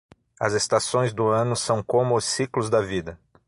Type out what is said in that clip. As estações do ano são como os ciclos da vida